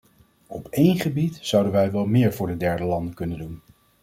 Op één gebied zouden wij wel meer voor de derde landen kunnen doen.